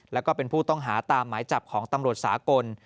แล้วก็เป็นผู้ต้องหาตามหมายจับของตำรวจสากล